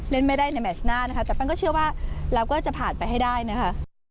ไม่ได้ในแมชหน้านะคะแต่แป้งก็เชื่อว่าเราก็จะผ่านไปให้ได้นะคะ